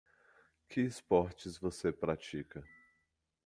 Que esportes você pratica?